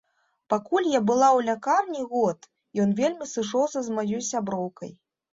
Пакуль я была ў лякарні год, ён вельмі сышоўся з маёй сяброўкай.